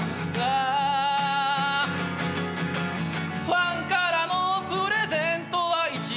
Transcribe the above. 「ファンからのプレゼントは一番」